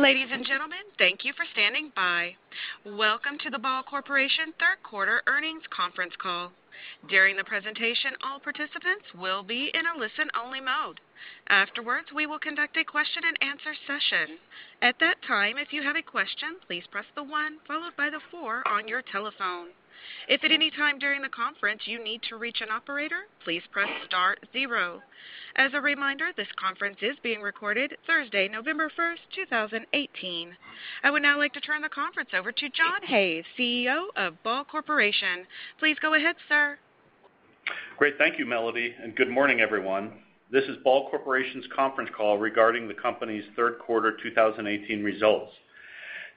Ladies and gentlemen, thank you for standing by. Welcome to the Ball Corporation third quarter earnings conference call. During the presentation, all participants will be in a listen-only mode. Afterwards, we will conduct a question and answer session. At that time, if you have a question, please press the one followed by the four on your telephone. If at any time during the conference, you need to reach an operator, please press star zero. As a reminder, this conference is being recorded Thursday, November 1st, 2018. I would now like to turn the conference over to John Hayes, CEO of Ball Corporation. Please go ahead, sir. Great. Thank you, Melody, and good morning, everyone. This is Ball Corporation's conference call regarding the company's third quarter 2018 results.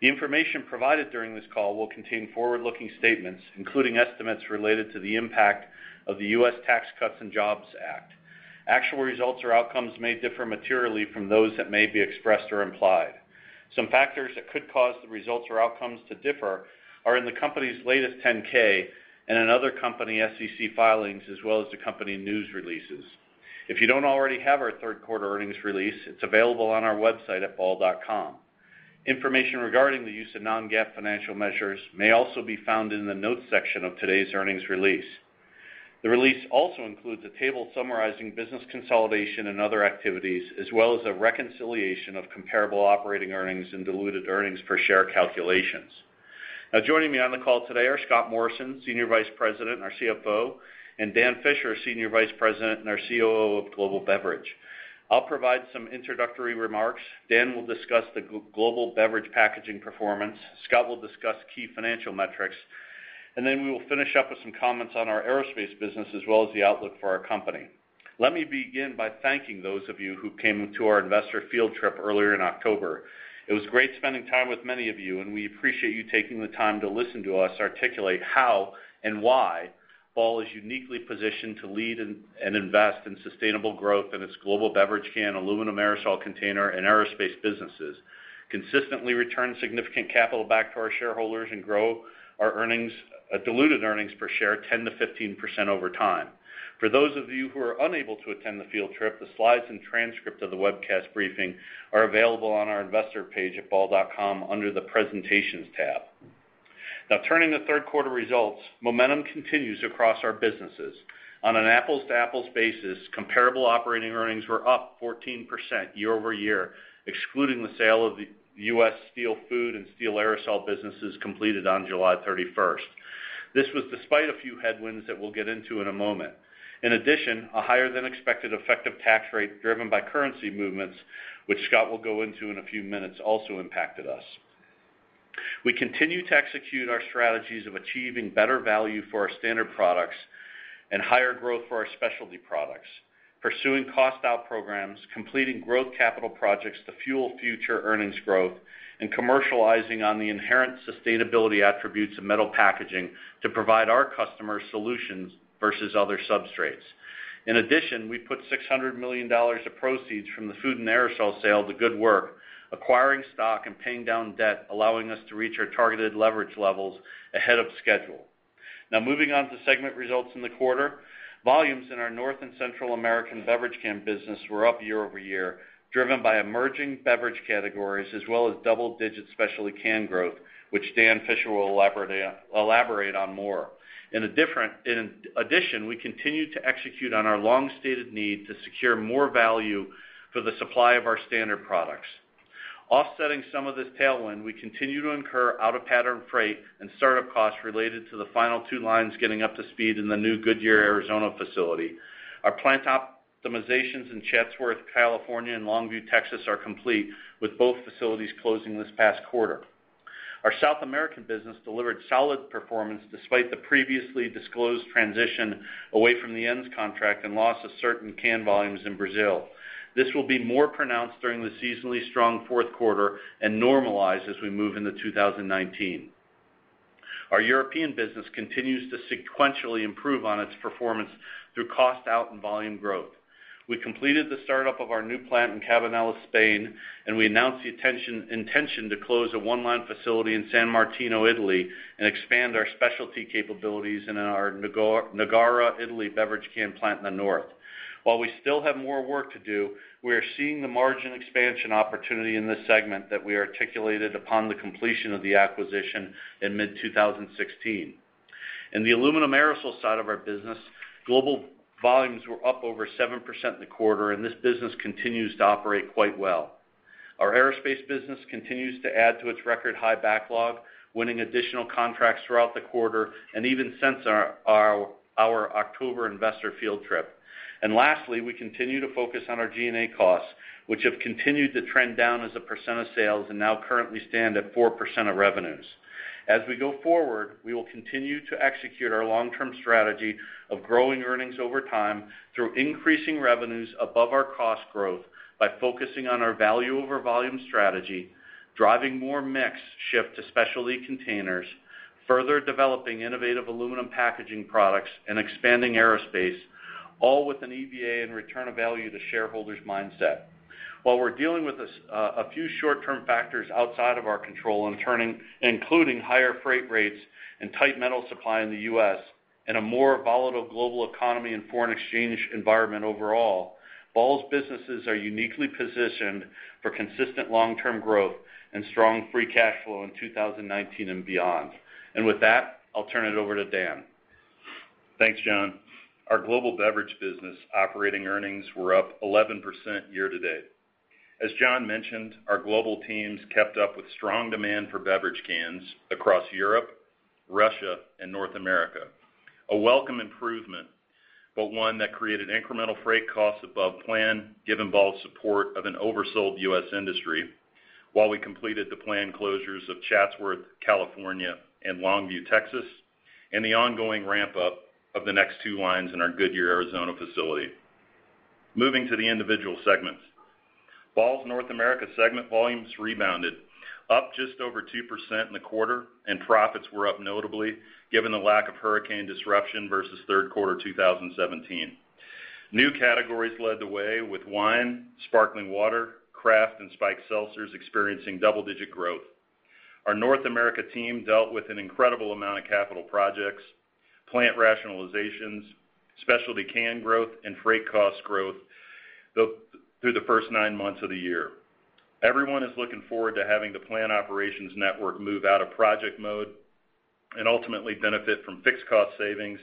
The information provided during this call will contain forward-looking statements, including estimates related to the impact of the U.S. Tax Cuts and Jobs Act. Actual results or outcomes may differ materially from those that may be expressed or implied. Some factors that could cause the results or outcomes to differ are in the company's latest 10-K and in other company SEC filings, as well as the company news releases. If you don't already have our third quarter earnings release, it's available on our website at ball.com. Information regarding the use of non-GAAP financial measures may also be found in the notes section of today's earnings release. The release also includes a table summarizing business consolidation and other activities, as well as a reconciliation of comparable operating earnings and diluted earnings per share calculations. Now, joining me on the call today are Scott Morrison, Senior Vice President and our CFO, and Dan Fisher, Senior Vice President and our COO of Global Beverage. I'll provide some introductory remarks, Dan will discuss the Global Beverage Packaging performance, Scott will discuss key financial metrics, and then we will finish up with some comments on our Aerospace business, as well as the outlook for our company. Let me begin by thanking those of you who came to our investor field trip earlier in October. It was great spending time with many of you, and we appreciate you taking the time to listen to us articulate how and why Ball is uniquely positioned to lead and invest in sustainable growth in its Global Beverage Can, Aluminum Aerosol Container, and Aerospace businesses, consistently return significant capital back to our shareholders and grow our diluted earnings per share 10%-15% over time. For those of you who were unable to attend the field trip, the slides and transcript of the webcast briefing are available on our investor page at ball.com under the presentations tab. Now turning to third quarter results, momentum continues across our businesses. On an apples-to-apples basis, comparable operating earnings were up 14% year-over-year, excluding the sale of the U.S. steel food and steel aerosol businesses completed on July 31st. This was despite a few headwinds that we'll get into in a moment. In addition, a higher-than-expected effective tax rate driven by currency movements, which Scott will go into in a few minutes, also impacted us. We continue to execute our strategies of achieving better value for our standard products and higher growth for our specialty products, pursuing cost-out programs, completing growth capital projects to fuel future earnings growth, and commercializing on the inherent sustainability attributes of metal packaging to provide our customers solutions versus other substrates. In addition, we put $600 million of proceeds from the food and aerosol sale to good work, acquiring stock and paying down debt, allowing us to reach our targeted leverage levels ahead of schedule. Moving on to segment results in the quarter. Volumes in our North and Central American beverage can business were up year-over-year, driven by emerging beverage categories as well as double-digit specialty can growth, which Dan Fisher will elaborate on more. In addition, we continue to execute on our long-stated need to secure more value for the supply of our standard products. Offsetting some of this tailwind, we continue to incur out-of-pattern freight and startup costs related to the final two lines getting up to speed in the new Goodyear, Arizona facility. Our plant optimizations in Chatsworth, California, and Longview, Texas, are complete, with both facilities closing this past quarter. Our South American business delivered solid performance despite the previously disclosed transition away from the ends contract and loss of certain can volumes in Brazil. This will be more pronounced during the seasonally strong fourth quarter and normalize as we move into 2019. Our European business continues to sequentially improve on its performance through cost out and volume growth. We completed the startup of our new plant in Cabanillas, Spain, and we announced the intention to close a one-line facility in San Martino, Italy, and expand our specialty capabilities in our Nogara, Italy, beverage can plant in the north. While we still have more work to do, we are seeing the margin expansion opportunity in this segment that we articulated upon the completion of the acquisition in mid-2016. In the aluminum aerosol side of our business, global volumes were up over 7% in the quarter, and this business continues to operate quite well. Our aerospace business continues to add to its record-high backlog, winning additional contracts throughout the quarter and even since our October investor field trip. Lastly, we continue to focus on our G&A costs, which have continued to trend down as a percent of sales and now currently stand at 4% of revenues. As we go forward, we will continue to execute our long-term strategy of growing earnings over time through increasing revenues above our cost growth by focusing on our value over volume strategy, driving more mix shift to specialty containers, further developing innovative aluminum packaging products, and expanding aerospace. All with an EVA and return of value to shareholders mindset. While we're dealing with a few short-term factors outside of our control, including higher freight rates and tight metal supply in the U.S., and a more volatile global economy and foreign exchange environment overall, Ball's businesses are uniquely positioned for consistent long-term growth and strong free cash flow in 2019 and beyond. With that, I'll turn it over to Dan. Thanks, John. Our global beverage business operating earnings were up 11% year-to-date. As John mentioned, our global teams kept up with strong demand for beverage cans across Europe, Russia, and North America. A welcome improvement, but one that created incremental freight costs above plan, given Ball's support of an oversold U.S. industry while we completed the planned closures of Chatsworth, California, and Longview, Texas, and the ongoing ramp-up of the next two lines in our Goodyear, Arizona facility. Moving to the individual segments. Ball's North America segment volumes rebounded, up just over 2% in the quarter, and profits were up notably, given the lack of hurricane disruption versus third quarter 2017. New categories led the way with wine, sparkling water, craft and spiked seltzers experiencing double-digit growth. Our North America team dealt with an incredible amount of capital projects, plant rationalizations, specialty can growth, and freight cost growth through the first nine months of the year. Everyone is looking forward to having the planned operations network move out of project mode and ultimately benefit from fixed cost savings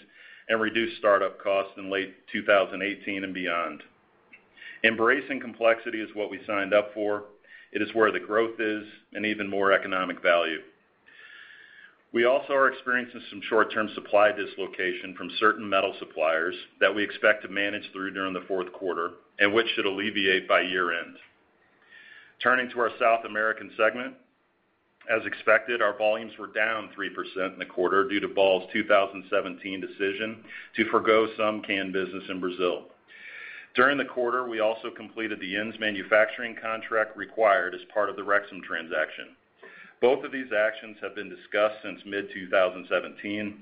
and reduced startup costs in late 2018 and beyond. Embracing complexity is what we signed up for. It is where the growth is and even more economic value. We also are experiencing some short-term supply dislocation from certain metal suppliers that we expect to manage through during the fourth quarter, and which should alleviate by year-end. Turning to our South American segment. As expected, our volumes were down 3% in the quarter due to Ball's 2017 decision to forgo some can business in Brazil. During the quarter, we also completed the ends manufacturing contract required as part of the Rexam transaction. Both of these actions have been discussed since mid-2017,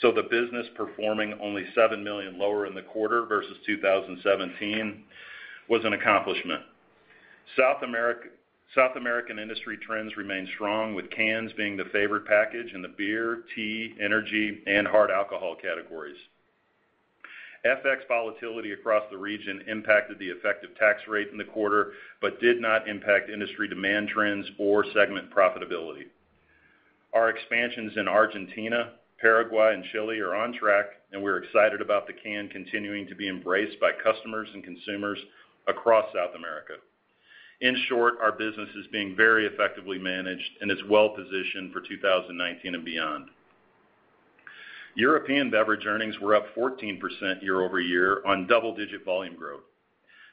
so the business performing only $7 million lower in the quarter versus 2017 was an accomplishment. South American industry trends remain strong, with cans being the favored package in the beer, tea, energy, and hard alcohol categories. FX volatility across the region impacted the effective tax rate in the quarter but did not impact industry demand trends or segment profitability. Our expansions in Argentina, Paraguay, and Chile are on track, and we're excited about the can continuing to be embraced by customers and consumers across South America. In short, our business is being very effectively managed and is well-positioned for 2019 and beyond. European beverage earnings were up 14% year-over-year on double-digit volume growth.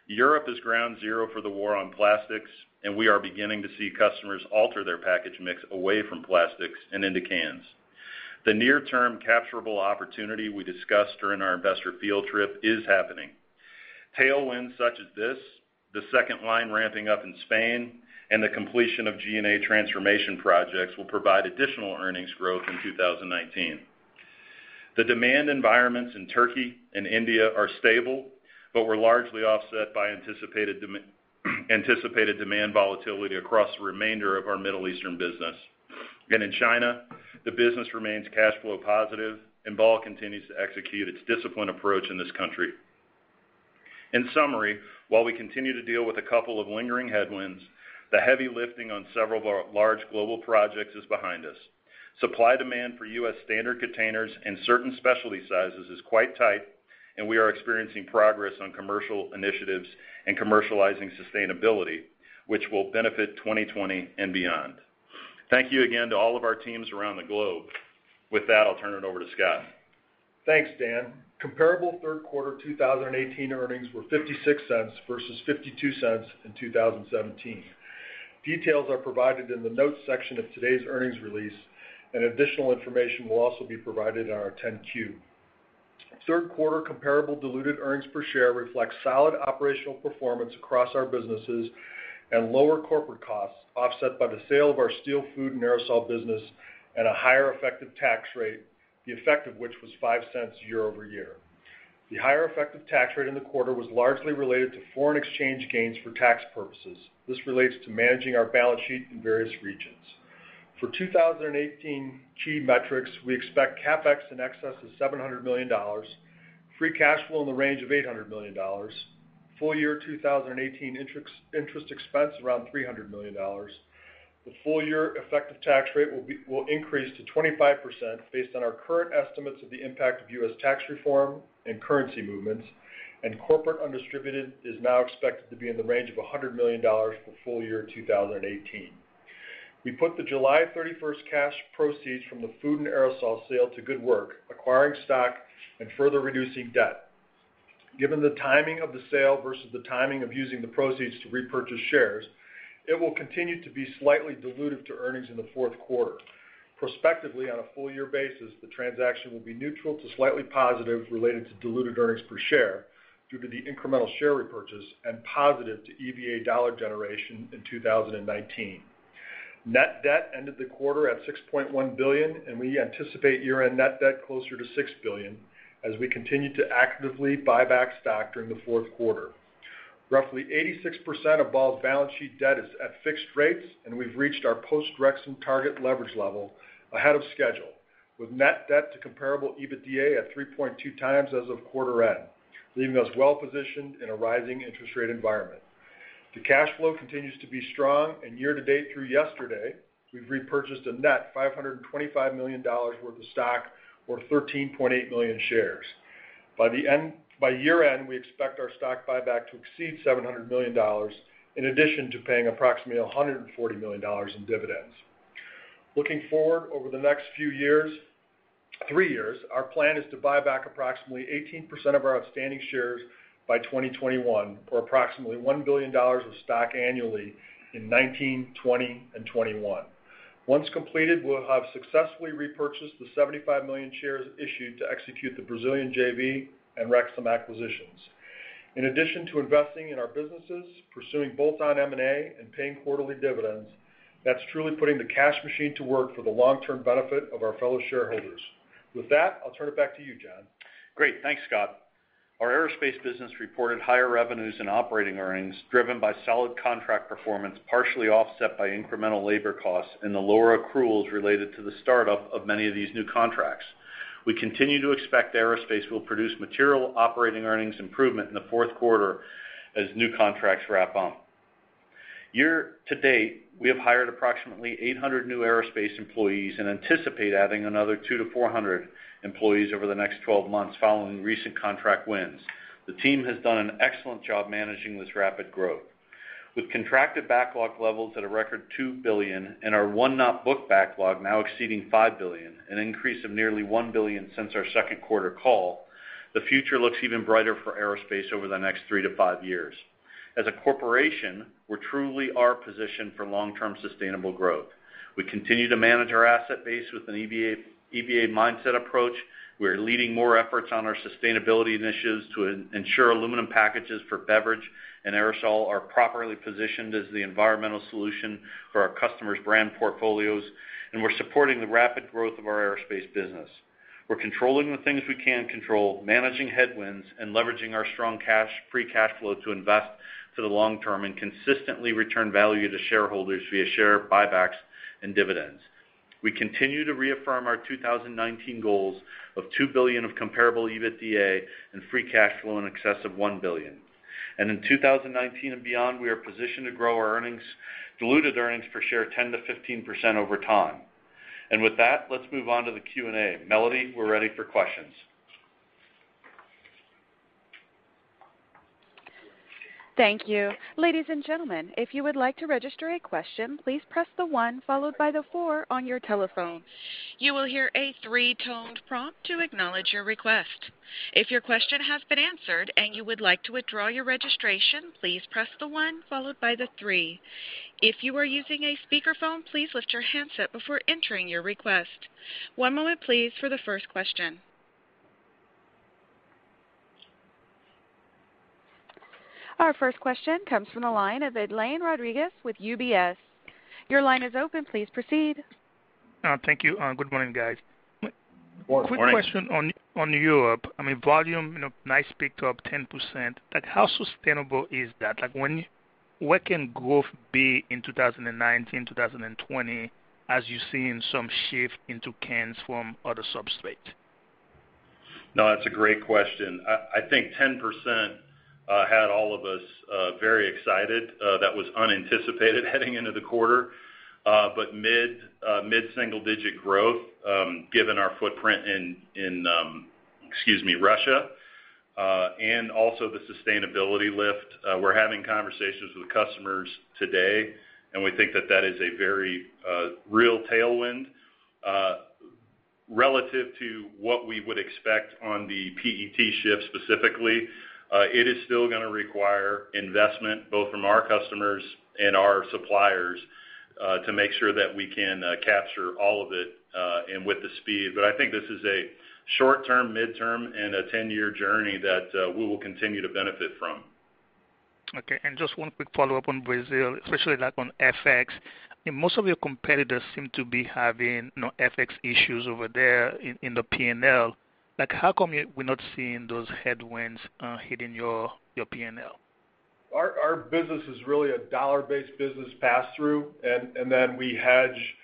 Europe is ground zero for the war on plastics, and we are beginning to see customers alter their package mix away from plastics and into cans. The near-term capturable opportunity we discussed during our investor field trip is happening. Tailwinds such as this, the second line ramping up in Spain, and the completion of G&A transformation projects will provide additional earnings growth in 2019. The demand environments in Turkey and India are stable but were largely offset by anticipated demand volatility across the remainder of our Middle Eastern business. In China, the business remains cash flow positive, and Ball continues to execute its disciplined approach in this country. In summary, while we continue to deal with a couple of lingering headwinds, the heavy lifting on several large global projects is behind us. Supply-demand for U.S. standard containers and certain specialty sizes is quite tight, and we are experiencing progress on commercial initiatives and commercializing sustainability, which will benefit 2020 and beyond. Thank you again to all of our teams around the globe. With that, I'll turn it over to Scott. Thanks, Dan. Comparable third quarter 2018 earnings were $0.56 versus $0.52 in 2017. Details are provided in the notes section of today's earnings release, and additional information will also be provided in our 10-Q. Third quarter comparable diluted earnings per share reflect solid operational performance across our businesses and lower corporate costs offset by the sale of our steel food and aerosol business at a higher effective tax rate, the effect of which was $0.05 year-over-year. The higher effective tax rate in the quarter was largely related to foreign exchange gains for tax purposes. This relates to managing our balance sheet in various regions. For 2018 key metrics, we expect CapEx in excess of $700 million, free cash flow in the range of $800 million, full-year 2018 interest expense around $300 million. The full-year effective tax rate will increase to 25% based on our current estimates of the impact of U.S. tax reform and currency movements. Corporate undistributed is now expected to be in the range of $100 million for full-year 2018. We put the July 31st cash proceeds from the food and aerosol sale to good work, acquiring stock and further reducing debt. Given the timing of the sale versus the timing of using the proceeds to repurchase shares, it will continue to be slightly dilutive to earnings in the fourth quarter. Prospectively, on a full-year basis, the transaction will be neutral to slightly positive related to diluted earnings per share due to the incremental share repurchase and positive to EVA dollar generation in 2019. Net debt ended the quarter at $6.1 billion, and we anticipate year-end net debt closer to $6 billion as we continue to actively buy back stock during the fourth quarter. Roughly 86% of Ball's balance sheet debt is at fixed rates, and we've reached our post-Rexam target leverage level ahead of schedule, with net debt to comparable EBITDA at 3.2 times as of quarter end, leaving us well-positioned in a rising interest rate environment. The cash flow continues to be strong, and year-to-date through yesterday, we've repurchased a net $525 million worth of stock, or 13.8 million shares. By year-end, we expect our stock buyback to exceed $700 million, in addition to paying approximately $140 million in dividends. Looking forward over the next three years, our plan is to buy back approximately 18% of our outstanding shares by 2021, or approximately $1 billion of stock annually in 2019, 2020, and 2021. Once completed, we'll have successfully repurchased the 75 million shares issued to execute the Brazilian JV and Rexam acquisitions. In addition to investing in our businesses, pursuing bolt-on M&A, and paying quarterly dividends, that's truly putting the cash machine to work for the long-term benefit of our fellow shareholders. With that, I'll turn it back to you, John. Great. Thanks, Scott. Our aerospace business reported higher revenues and operating earnings driven by solid contract performance, partially offset by incremental labor costs and the lower accruals related to the startup of many of these new contracts. We continue to expect aerospace will produce material operating earnings improvement in the fourth quarter as new contracts ramp up. Year-to-date, we have hired approximately 800 new aerospace employees and anticipate adding another 200 to 400 employees over the next 12 months following recent contract wins. The team has done an excellent job managing this rapid growth. With contracted backlog levels at a record $2 billion and our one-year book backlog now exceeding $5 billion, an increase of nearly $1 billion since our second quarter call, the future looks even brighter for aerospace over the next three to five years. As a corporation, we truly are positioned for long-term sustainable growth. We continue to manage our asset base with an EVA mindset approach. We are leading more efforts on our sustainability initiatives to ensure aluminum packages for beverage and aerosol are properly positioned as the environmental solution for our customers' brand portfolios, and we're supporting the rapid growth of our aerospace business. We're controlling the things we can control, managing headwinds, and leveraging our strong free cash flow to invest for the long term and consistently return value to shareholders via share buybacks and dividends. We continue to reaffirm our 2019 goals of $2 billion of comparable EBITDA and free cash flow in excess of $1 billion. In 2019 and beyond, we are positioned to grow our diluted earnings per share 10%-15% over time. With that, let's move on to the Q&A. Melody, we're ready for questions. Thank you. Ladies and gentlemen, if you would like to register a question, please press the one followed by the four on your telephone. You will hear a three-toned prompt to acknowledge your request. If your question has been answered and you would like to withdraw your registration, please press the one followed by the three. If you are using a speakerphone, please lift your handset before entering your request. One moment please for the first question. Our first question comes from the line of Edlain Rodriguez with UBS. Your line is open. Please proceed. Thank you. Good morning, guys. Good morning. Quick question on Europe. Volume, nice pick-up, 10%. How sustainable is that? Where can growth be in 2019, 2020, as you're seeing some shift into cans from other substrate? No, that's a great question. I think 10% had all of us very excited. That was unanticipated heading into the quarter. Mid-single digit growth, given our footprint in Russia, and also the sustainability lift. We're having conversations with customers today, and we think that that is a very real tailwind. Relative to what we would expect on the PET shift specifically, it is still going to require investment, both from our customers and our suppliers, to make sure that we can capture all of it, and with the speed. I think this is a short-term, midterm, and a 10-year journey that we will continue to benefit from. Okay, just one quick follow-up on Brazil, especially on FX. Most of your competitors seem to be having FX issues over there in the P&L. How come we're not seeing those headwinds hitting your P&L? Our business is really a dollar-based business pass-through, and then we hedge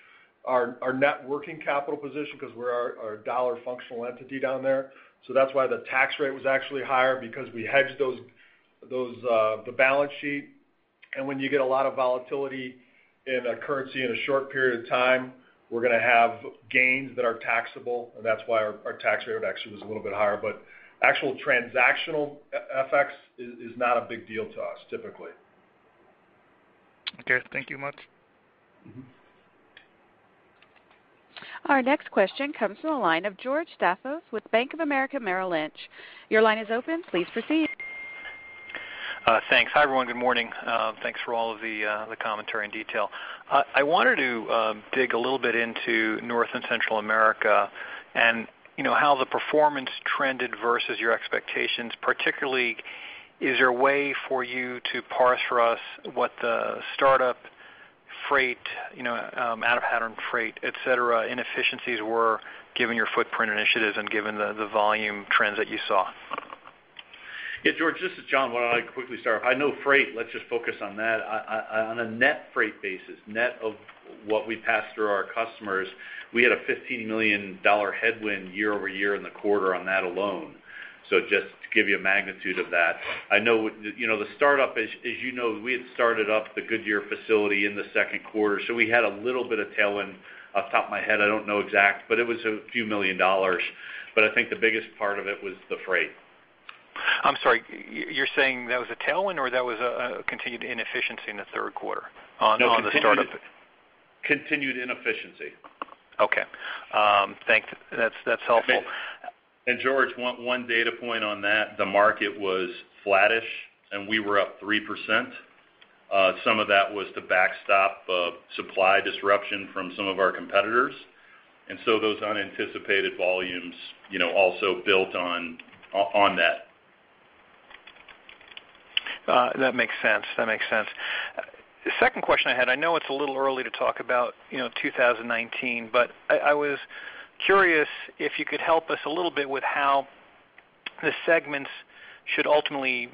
our net working capital position because we're a dollar functional entity down there. That's why the tax rate was actually higher, because we hedged the balance sheet. When you get a lot of volatility in a currency in a short period of time, we're going to have gains that are taxable, and that's why our tax rate actually was a little bit higher. Actual transactional FX is not a big deal to us, typically. Okay, thank you much. Our next question comes from the line of George Staphos with Bank of America Merrill Lynch. Your line is open. Please proceed. Thanks. Hi, everyone. Good morning. Thanks for all of the commentary and detail. I wanted to dig a little bit into North and Central America and how the performance trended versus your expectations, particularly. Is there a way for you to parse for us what the startup freight, out-of-pattern freight, et cetera, inefficiencies were given your footprint initiatives and given the volume trends that you saw? Yeah, George, this is John. Why don't I quickly start? I know freight. Let's just focus on that. On a net freight basis, net of what we pass through our customers, we had a $15 million headwind year-over-year in the quarter on that alone. Just to give you a magnitude of that. I know the startup, as you know, we had started up the Goodyear facility in the second quarter, so we had a little bit of tailwind. Off the top of my head, I don't know exact, it was a few million dollars. I think the biggest part of it was the freight. I'm sorry. You're saying that was a tailwind or that was a continued inefficiency in the third quarter on the startup? Continued inefficiency. Okay. Thanks. That's helpful. George, one data point on that, the market was flattish, and we were up 3%. Some of that was the backstop of supply disruption from some of our competitors. Those unanticipated volumes also built on that. That makes sense. The second question I had, I know it's a little early to talk about 2019, but I was curious if you could help us a little bit with how the segments should ultimately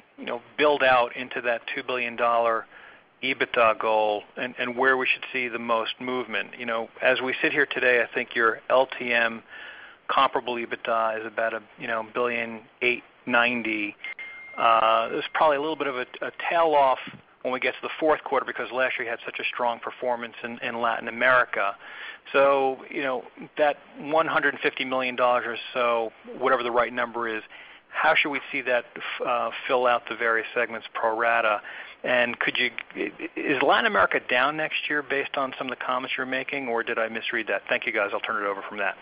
build out into that $2 billion EBITDA goal and where we should see the most movement. As we sit here today, I think your LTM comparable EBITDA is about $1.8 billion, $1.9 billion. There's probably a little bit of a tail off when we get to the fourth quarter because last year you had such a strong performance in Latin America. That $150 million or so, whatever the right number is, how should we see that fill out the various segments pro rata? Is Latin America down next year based on some of the comments you're making, or did I misread that? Thank you, guys. I'll turn it over from that.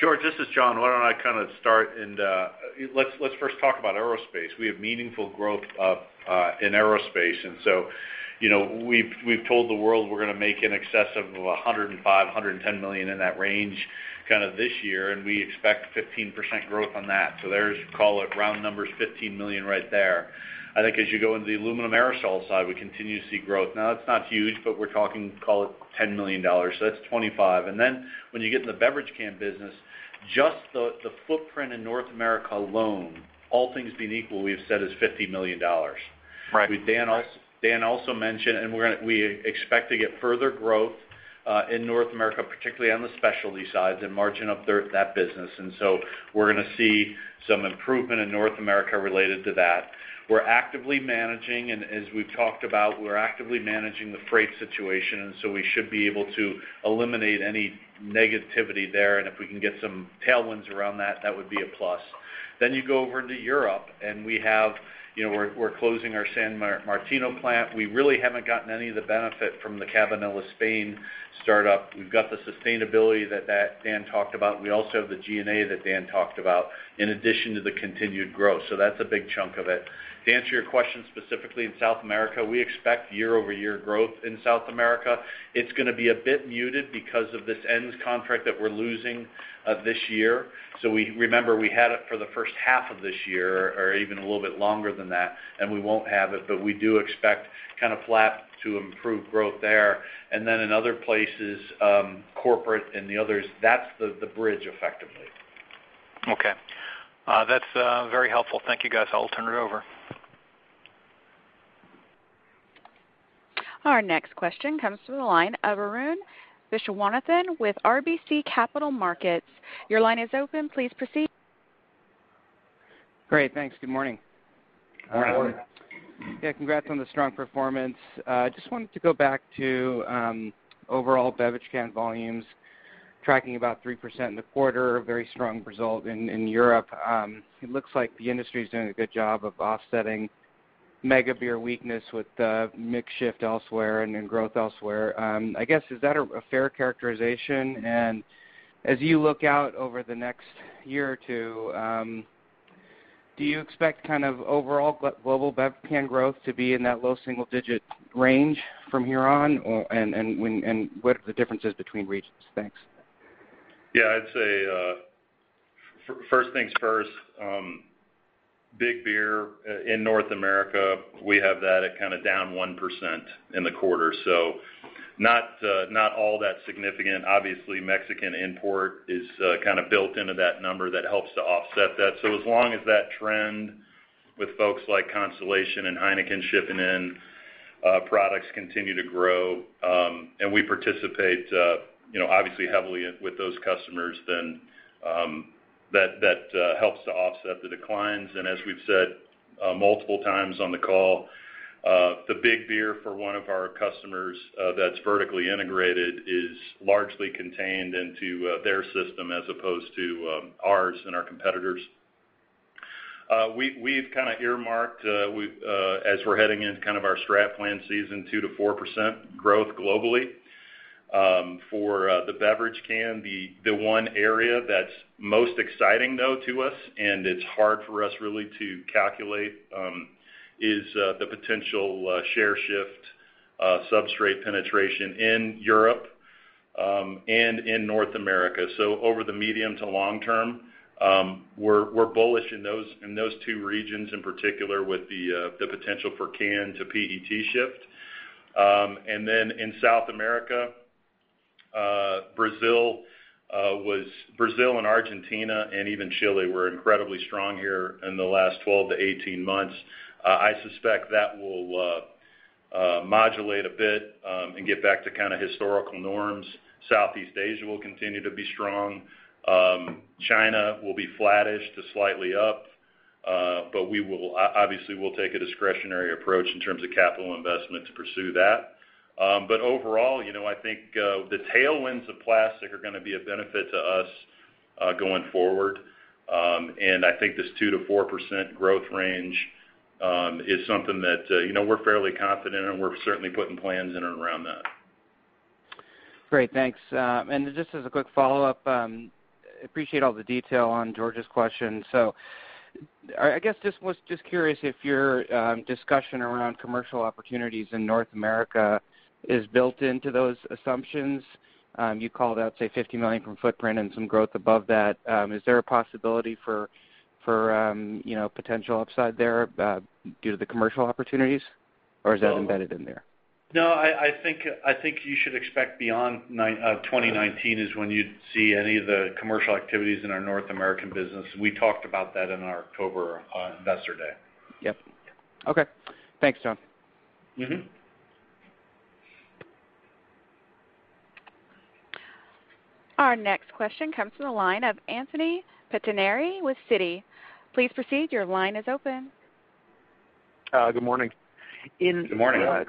George, this is John. Why don't I start, let's first talk about aerospace. We have meaningful growth in aerospace, we've told the world we're going to make in excess of $105 million, $110 million in that range this year, and we expect 15% growth on that. There's, call it round numbers, $15 million right there. I think as you go into the aluminum aerosol side, we continue to see growth. That's not huge, but we're talking, call it $10 million. That's $25 million. When you get in the beverage can business, just the footprint in North America alone, all things being equal, we have said is $50 million. Right. Dan also mentioned, we expect to get further growth, in North America, particularly on the specialty side, the margin of that business. We're going to see some improvement in North America related to that. We're actively managing, as we've talked about, we're actively managing the freight situation, we should be able to eliminate any negativity there. If we can get some tailwinds around that would be a plus. You go over into Europe, we're closing our San Martino plant. We really haven't gotten any of the benefit from the Cabanillas Spain startup. We've got the sustainability that Dan talked about. We also have the G&A that Dan talked about in addition to the continued growth. That's a big chunk of it. To answer your question specifically in South America, we expect year-over-year growth in South America. It's going to be a bit muted because of this ends contract that we're losing this year. Remember, we had it for the first half of this year, or even a little bit longer than that, and we won't have it, but we do expect flat to improved growth there. In other places, corporate and the others, that's the bridge effectively. Okay. That's very helpful. Thank you, guys. I'll turn it over. Our next question comes from the line of Arun Viswanathan with RBC Capital Markets. Your line is open. Please proceed. Great. Thanks. Good morning. Good morning. Yeah, congrats on the strong performance. Just wanted to go back to overall beverage can volumes tracking about 3% in the quarter, a very strong result in Europe. It looks like the industry's doing a good job of offsetting mega beer weakness with the mix shift elsewhere and in growth elsewhere. I guess, is that a fair characterization? As you look out over the next year or two, do you expect overall global bev can growth to be in that low single-digit range from here on? What are the differences between regions? Thanks. Yeah, I'd say, first things first, big beer in North America, we have that at down 1% in the quarter. Not all that significant. Obviously, Mexican import is built into that number that helps to offset that. As long as that trend with folks like Constellation and Heineken shipping in products continue to grow, and we participate obviously heavily with those customers, then that helps to offset the declines. As we've said multiple times on the call, the big beer for one of our customers that's vertically integrated is largely contained into their system as opposed to ours and our competitors. We've earmarked, as we're heading into our strat plan season, 2%-4% growth globally for the beverage can. The one area that's most exciting though to us, and it's hard for us really to calculate, is the potential Substrate penetration in Europe and in North America. Over the medium to long term, we're bullish in those two regions in particular with the potential for can to PET shift. Then in South America, Brazil and Argentina, and even Chile were incredibly strong here in the last 12-18 months. I suspect that will modulate a bit, and get back to historical norms. Southeast Asia will continue to be strong. China will be flattish to slightly up. Obviously, we'll take a discretionary approach in terms of capital investment to pursue that. Overall, I think the tailwinds of plastic are going to be a benefit to us going forward. I think this 2%-4% growth range is something that we're fairly confident in, we're certainly putting plans in and around that. Great, thanks. Just as a quick follow-up, appreciate all the detail on George's question. I guess, was just curious if your discussion around commercial opportunities in North America is built into those assumptions. You called out, say, $50 million from footprint and some growth above that. Is there a possibility for potential upside there due to the commercial opportunities, or is that embedded in there? No, I think you should expect beyond 2019 is when you'd see any of the commercial activities in our North American business. We talked about that in our October Investor Day. Yep. Okay. Thanks, John. Our next question comes from the line of Anthony Pettinari with Citi. Please proceed, your line is open. Good morning. Good morning. A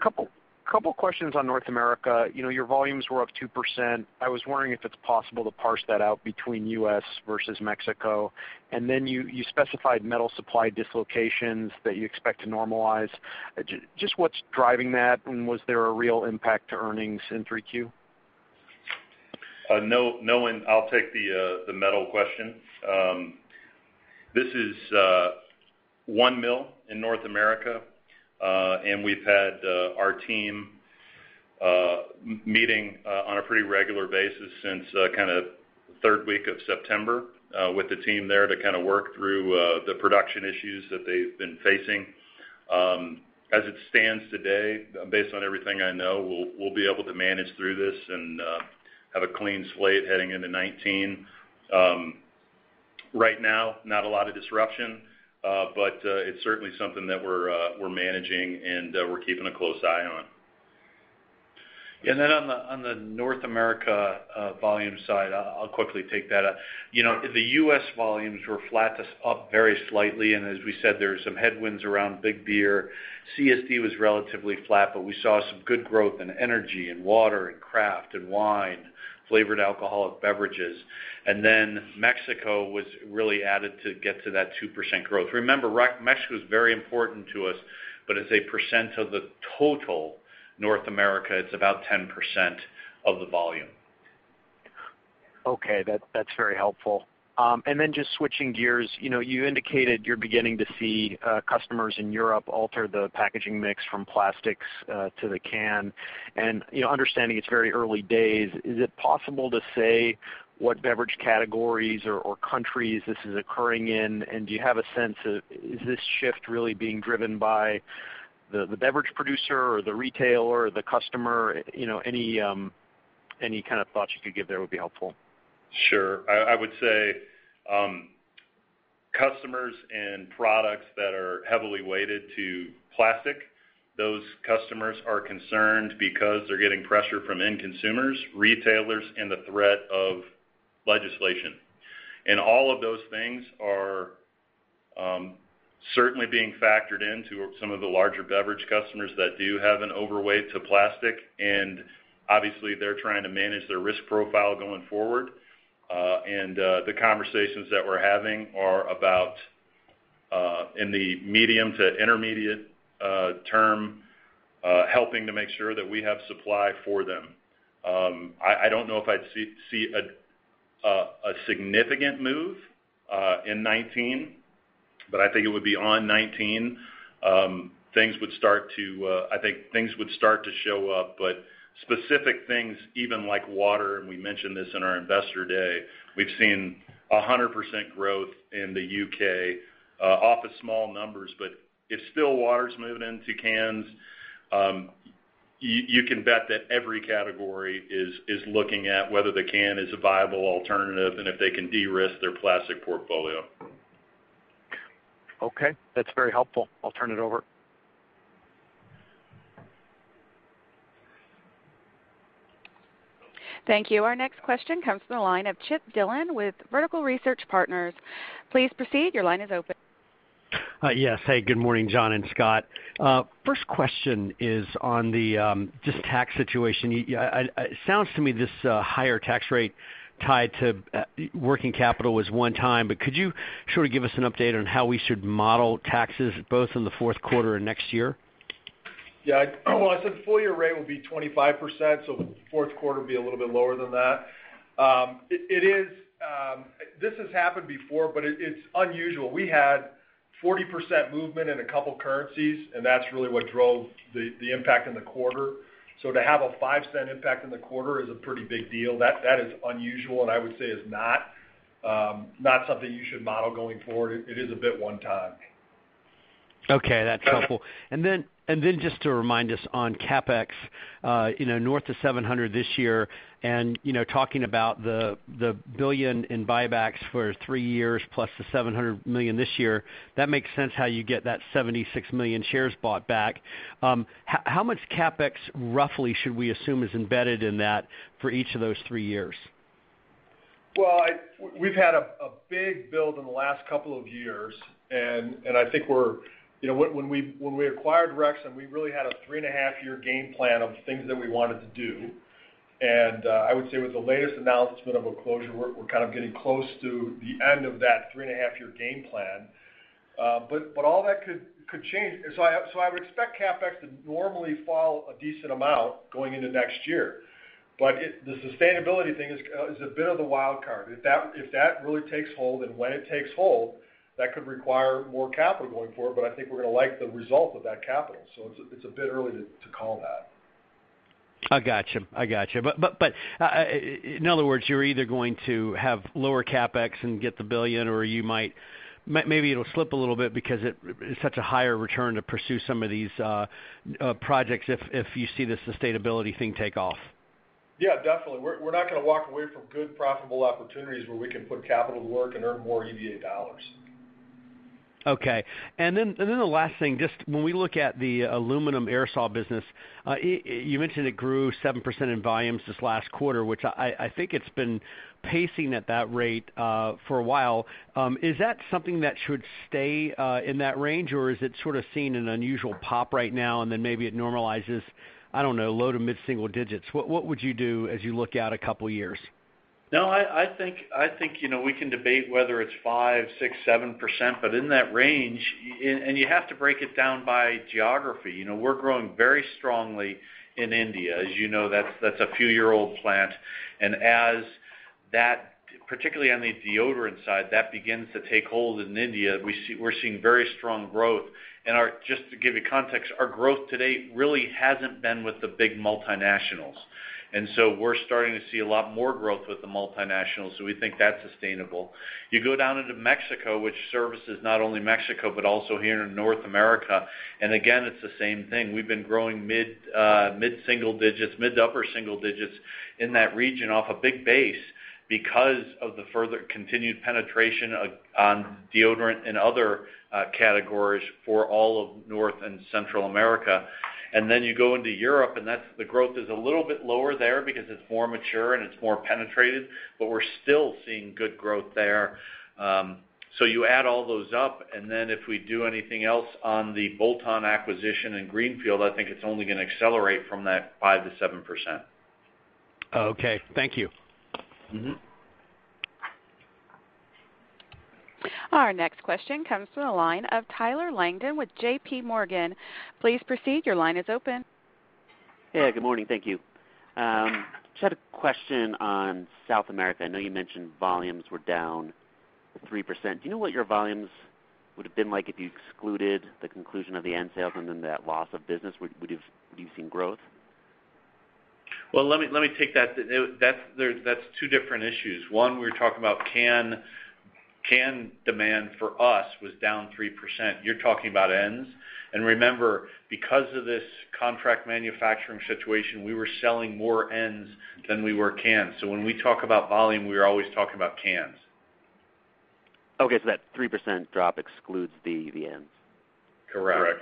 couple questions on North America. Your volumes were up 2%. I was wondering if it's possible to parse that out between U.S. versus Mexico. You specified metal supply dislocations that you expect to normalize. Just what's driving that, and was there a real impact to earnings in Q3? No. I'll take the metal question. This is one mill in North America. We've had our team meeting on a pretty regular basis since the third week of September with the team there to work through the production issues that they've been facing. As it stands today, based on everything I know, we'll be able to manage through this and have a clean slate heading into 2019. Right now, not a lot of disruption. It's certainly something that we're managing, and we're keeping a close eye on. On the North America volume side, I'll quickly take that. The U.S. volumes were flat to up very slightly, and as we said, there are some headwinds around big beer. CSD was relatively flat, but we saw some good growth in energy, in water, in craft, in wine, flavored alcoholic beverages. Mexico was really added to get to that 2% growth. Remember, Mexico is very important to us, but as a % of the total North America, it's about 10% of the volume. Okay. That's very helpful. Just switching gears, you indicated you're beginning to see customers in Europe alter the packaging mix from plastics to the can. Understanding it's very early days, is it possible to say what beverage categories or countries this is occurring in? Do you have a sense of, is this shift really being driven by the beverage producer or the retailer or the customer? Any kind of thoughts you could give there would be helpful. Sure. I would say customers and products that are heavily weighted to plastic, those customers are concerned because they're getting pressure from end consumers, retailers, and the threat of legislation. All of those things are certainly being factored into some of the larger beverage customers that do have an overweight to plastic, and obviously, they're trying to manage their risk profile going forward. The conversations that we're having are about in the medium to intermediate term, helping to make sure that we have supply for them. I don't know if I'd see a significant move in 2019, but I think it would be on 2019. I think things would start to show up. Specific things, even like water, We mentioned this in our Investor Day, we've seen 100% growth in the U.K. off of small numbers, If still water's moving into cans, you can bet that every category is looking at whether the can is a viable alternative and if they can de-risk their plastic portfolio. Okay. That's very helpful. I'll turn it over. Thank you. Our next question comes from the line of Chip Dillon with Vertical Research Partners. Please proceed, your line is open. Yes. Hey, good morning, John and Scott. First question is on the tax situation. It sounds to me this higher tax rate tied to working capital was one time, but could you give us an update on how we should model taxes, both in the fourth quarter and next year? Yeah. Well, I said full year rate will be 25%, so fourth quarter will be a little bit lower than that. This has happened before, but it's unusual. We had 40% movement in a couple currencies, and that's really what drove the impact in the quarter. To have a $0.05 impact in the quarter is a pretty big deal. That is unusual, I would say is not something you should model going forward. It is a bit one time. Okay. That's helpful. Just to remind us on CapEx, north of $700 this year and talking about the $1 billion in buybacks for three years plus the $700 million this year, that makes sense how you get that 76 million shares bought back. How much CapEx, roughly, should we assume is embedded in that for each of those three years? Well, we've had a big build in the last couple of years. I think when we acquired Rexam, we really had a three-and-a-half year game plan of things that we wanted to do. I would say with the latest announcement of a closure, we're kind of getting close to the end of that three-and-a-half year game plan. All that could change. I would expect CapEx to normally fall a decent amount going into next year. The sustainability thing is a bit of a wild card. If that really takes hold, and when it takes hold, that could require more capital going forward, but I think we're going to like the result of that capital. It's a bit early to call that. I got you. In other words, you're either going to have lower CapEx and get the $1 billion, or maybe it'll slip a little bit because it's such a higher return to pursue some of these projects if you see the sustainability thing take off. Yeah, definitely. We're not going to walk away from good profitable opportunities where we can put capital to work and earn more EVA dollars. Okay. The last thing, just when we look at the aluminum aerosol business, you mentioned it grew 7% in volumes this last quarter, which I think it's been pacing at that rate for a while. Is that something that should stay in that range, or is it sort of seeing an unusual pop right now and then maybe it normalizes, I don't know, low to mid-single digits? What would you do as you look out a couple of years? No, I think we can debate whether it's five, six, seven %, but in that range. You have to break it down by geography. We're growing very strongly in India. As you know, that's a few-year-old plant, and as that, particularly on the deodorant side, that begins to take hold in India, we're seeing very strong growth. Just to give you context, our growth to date really hasn't been with the big multinationals. We're starting to see a lot more growth with the multinationals, so we think that's sustainable. You go down into Mexico, which services not only Mexico but also here in North America, and again, it's the same thing. We've been growing mid-single digits, mid-upper single digits in that region off a big base because of the further continued penetration on deodorant and other categories for all of North and Central America. You go into Europe, and the growth is a little bit lower there because it's more mature and it's more penetrated, but we're still seeing good growth there. You add all those up, and then if we do anything else on the bolt-on acquisition in Greenfield, I think it's only going to accelerate from that five to seven %. Okay. Thank you. Our next question comes from the line of Tyler Langton with JPMorgan. Please proceed, your line is open. Hey, good morning. Thank you. Just had a question on South America. I know you mentioned volumes were down 3%. Do you know what your volumes would've been like if you excluded the conclusion of the end sales and then that loss of business? Would you have seen growth? Well, let me take that. That's two different issues. One, we were talking about can demand for us was down 3%. You're talking about ends. Remember, because of this contract manufacturing situation, we were selling more ends than we were cans. When we talk about volume, we are always talking about cans. That 3% drop excludes the ends. Correct.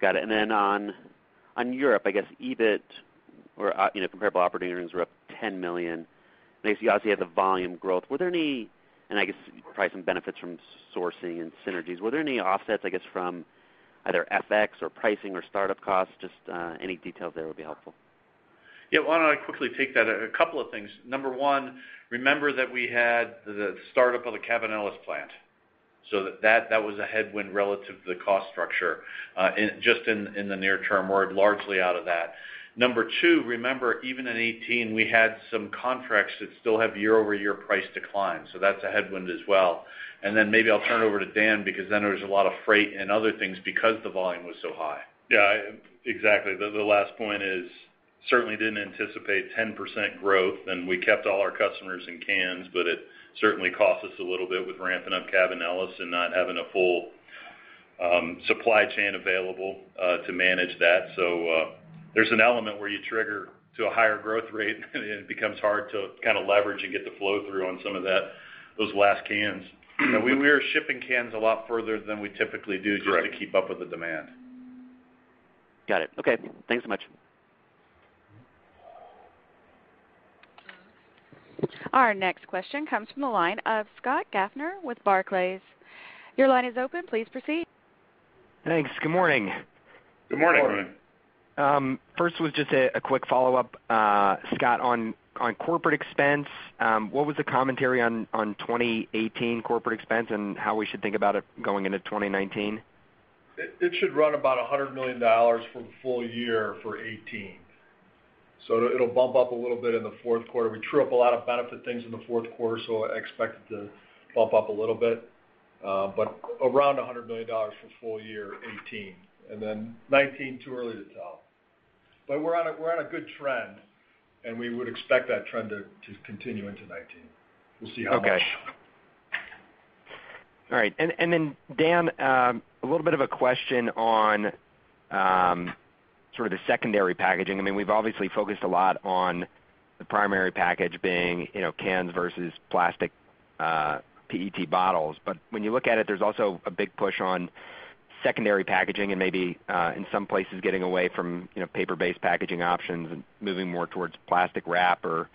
Got it. Then on Europe, I guess EBIT or comparable operating earnings were up $10 million. Obviously you have the volume growth. I guess probably some benefits from sourcing and synergies. Were there any offsets, I guess, from either FX or pricing or startup costs? Just any details there would be helpful. Yeah. Why don't I quickly take that? A couple of things. Number one, remember that we had the startup of the Cabanillas plant. That was a headwind relative to the cost structure. Just in the near term, we're largely out of that. Number two, remember, even in 2018, we had some contracts that still have year-over-year price declines, so that's a headwind as well. Maybe I'll turn it over to Dan because then there was a lot of freight and other things because the volume was so high. Yeah, exactly. The last point is certainly didn't anticipate 10% growth, and we kept all our customers in cans, but it certainly cost us a little bit with ramping up Cabanillas and not having a full supply chain available to manage that. There's an element where you trigger to a higher growth rate and it becomes hard to kind of leverage and get the flow through on some of those last cans. We were shipping cans a lot further than we typically do- Correct just to keep up with the demand. Got it. Okay, thanks so much. Our next question comes from the line of Scott Gaffner with Barclays. Your line is open. Please proceed. Thanks. Good morning. Good morning. Good morning. First was just a quick follow-up, Scott, on corporate expense. What was the commentary on 2018 corporate expense and how we should think about it going into 2019? It should run about $100 million for the full year for 2018. It'll bump up a little bit in the fourth quarter. We true-up a lot of benefit things in the fourth quarter, I expect it to bump up a little bit. Around $100 million for full year 2018. 2019, too early to tell. We're on a good trend, and we would expect that trend to continue into 2019. We'll see how much. Okay. All right. Dan, a little bit of a question on sort of the secondary packaging. We've obviously focused a lot on the primary package being cans versus plastic PET bottles. When you look at it, there's also a big push on secondary packaging and maybe, in some places, getting away from paper-based packaging options and moving more towards plastic wrap or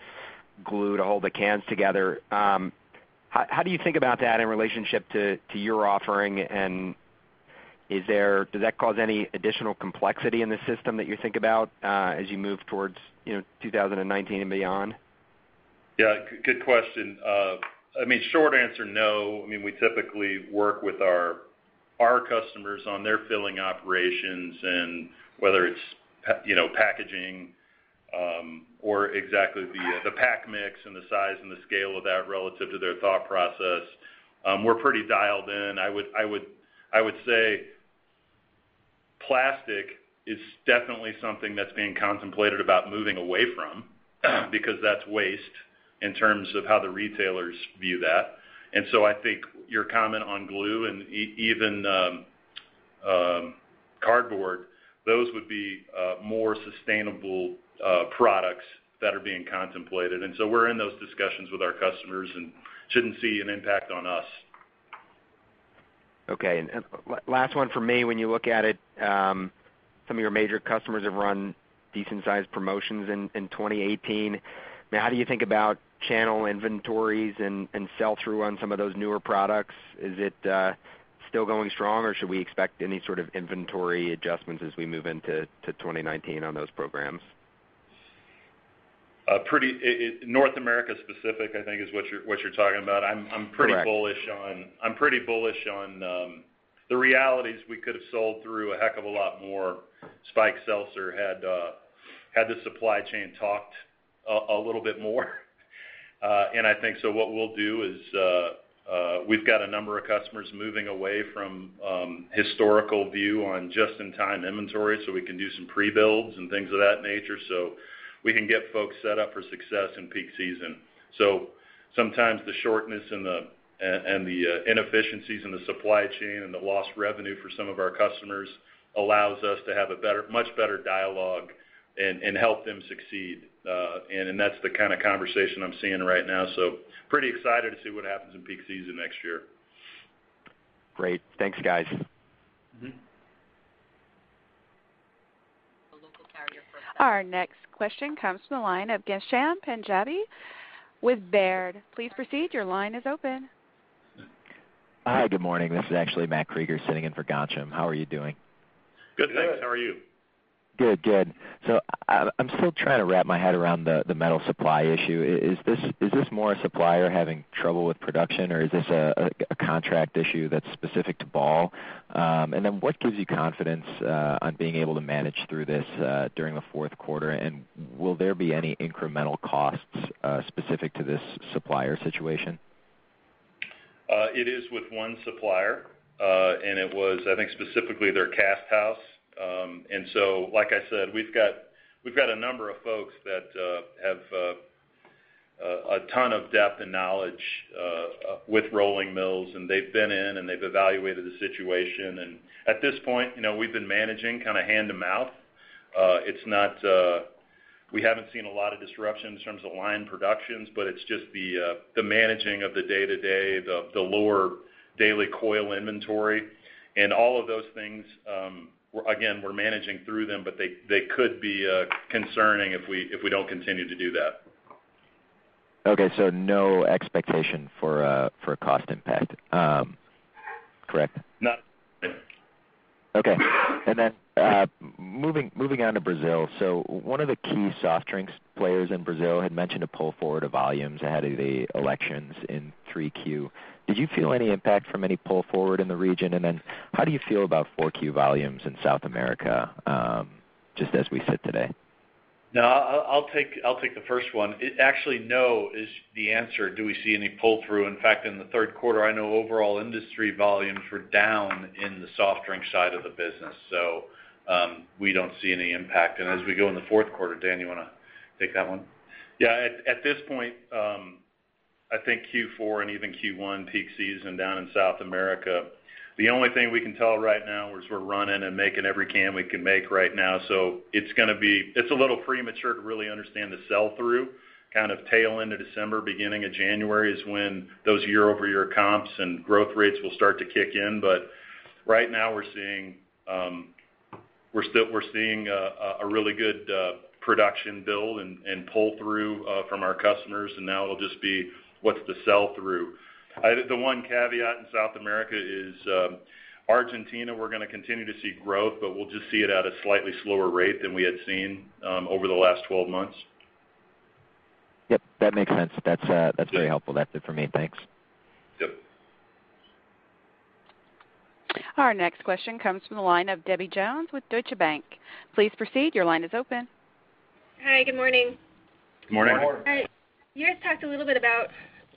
glue to hold the cans together. How do you think about that in relationship to your offering, and does that cause any additional complexity in the system that you think about as you move towards 2019 and beyond? Yeah, good question. Short answer, no. We typically work with our customers on their filling operations, whether it's packaging or exactly the pack mix and the size and the scale of that relative to their thought process. We're pretty dialed in. I would say plastic is definitely something that's being contemplated about moving away from because that's waste in terms of how the retailers view that. I think your comment on glue and even cardboard, those would be more sustainable products that are being contemplated. We're in those discussions with our customers and shouldn't see an impact on us. Okay. Last one from me. When you look at it, some of your major customers have run decent-sized promotions in 2018. How do you think about channel inventories and sell-through on some of those newer products? Is it still going strong, or should we expect any sort of inventory adjustments as we move into 2019 on those programs? North America specific, I think is what you're talking about. Correct. I'm pretty bullish on the realities we could have sold through a heck of a lot more spiked seltzer had the supply chain talked a little bit more. I think what we'll do is, we've got a number of customers moving away from historical view on just-in-time inventory, so we can do some pre-builds and things of that nature. We can get folks set up for success in peak season. Sometimes the shortness and the inefficiencies in the supply chain, and the lost revenue for some of our customers allows us to have a much better dialogue and help them succeed. That's the kind of conversation I'm seeing right now. Pretty excited to see what happens in peak season next year. Great. Thanks, guys. Mm-hmm. Our next question comes from the line of Ghansham Panjabi with Baird. Please proceed. Your line is open. Hi. Good morning. This is actually Matt Krieger sitting in for Ghansham. How are you doing? Good, thanks. How are you? Good. I'm still trying to wrap my head around the metal supply issue. Is this more a supplier having trouble with production, or is this a contract issue that's specific to Ball? What gives you confidence on being able to manage through this during the fourth quarter, and will there be any incremental costs specific to this supplier situation? It is with one supplier. It was, I think, specifically their cast house. Like I said, we've got a number of folks that have a ton of depth and knowledge with rolling mills, and they've been in, and they've evaluated the situation. At this point, we've been managing kind of hand to mouth. We haven't seen a lot of disruption in terms of line productions, but it's just the managing of the day-to-day, the lower daily coil inventory. All of those things, again, we're managing through them, but they could be concerning if we don't continue to do that. Okay. No expectation for a cost impact. Correct? No. Moving on to Brazil. One of the key soft drinks players in Brazil had mentioned a pull forward of volumes ahead of the elections in 3Q. Did you feel any impact from any pull forward in the region? How do you feel about 4Q volumes in South America, just as we sit today? No, I'll take the first one. It actually, no is the answer. Do we see any pull through? In fact, in the third quarter, I know overall industry volumes were down in the soft drink side of the business. We don't see any impact. As we go in the fourth quarter, Dan, you want to take that one? Yeah. At this point, I think Q4 and even Q1 peak season down in South America, the only thing we can tell right now is we're running and making every can we can make right now. It's a little premature to really understand the sell-through. Kind of tail end of December, beginning of January is when those year-over-year comps and growth rates will start to kick in. Right now we're seeing a really good production build and pull through from our customers. Now it'll just be what's the sell through. The one caveat in South America is Argentina. We're going to continue to see growth, but we'll just see it at a slightly slower rate than we had seen over the last 12 months. Yep, that makes sense. That's very helpful. That's it for me. Thanks. Yep. Our next question comes from the line of Debbie Jones with Deutsche Bank. Please proceed. Your line is open. Hi, good morning. Good morning. All right. You guys talked a little bit about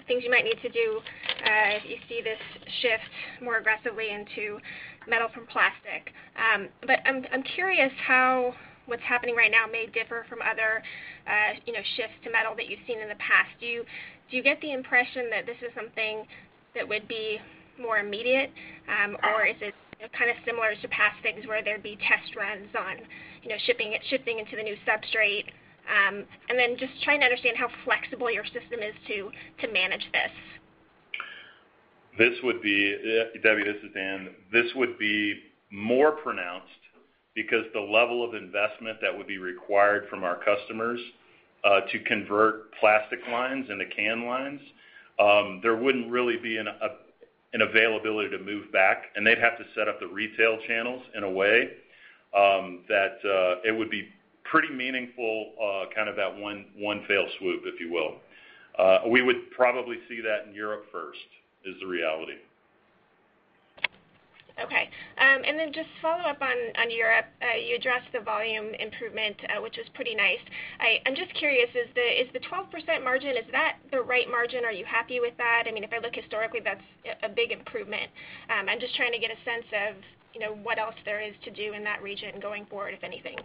things you might need to do if you see this shift more aggressively into metal from plastic. I'm curious how what's happening right now may differ from other shifts to metal that you've seen in the past. Do you get the impression that this is something that would be more immediate? Or is it kind of similar to past things where there'd be test runs on shipping into the new substrate? And then just trying to understand how flexible your system is to manage this. Debbie, this is Dan. This would be more pronounced because the level of investment that would be required from our customers to convert plastic lines into can lines, there wouldn't really be an availability to move back, and they'd have to set up the retail channels in a way that it would be pretty meaningful, kind of that one fell swoop, if you will. We would probably see that in Europe first, is the reality. Okay. Then just follow up on Europe. You addressed the volume improvement, which is pretty nice. I'm just curious, is the 12% margin, is that the right margin? Are you happy with that? If I look historically, that's a big improvement. I'm just trying to get a sense of what else there is to do in that region going forward, if anything.